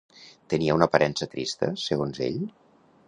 Tenia una aparença trista, segons ell?